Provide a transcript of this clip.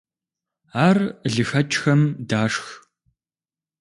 Ар лыхэкIхэм дашх.